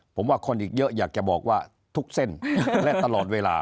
ผมว่าคนอีกเยอะอยากจะบอกว่าทุกเส้นและตลอดเวลา